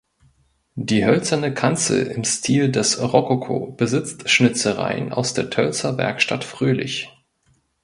Die hölzerne Kanzel im Stil des Rokoko besitzt Schnitzereien aus der Tölzer Werkstatt Fröhlich.